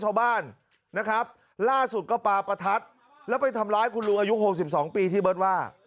ชาวบ้านนะครับล่าสุดก็ปลาประทัดแล้วไปทำร้ายคุณลุงอายุ๖๒ปีที่เบิร์ตว่า